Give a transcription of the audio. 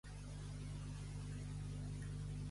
No donis mai diners fets ni llenya asclada.